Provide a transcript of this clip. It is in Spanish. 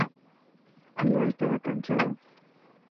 No estaba casado.